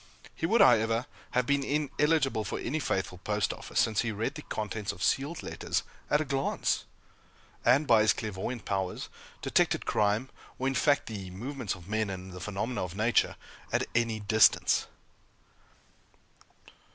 He would, however, have been ineligible for any faithful Post Office, since he read the contents of sealed letters at a glance; and, by his clairvoyant powers, detected crime, or, in fact, the movements of men and the phenomena of nature, at any distance.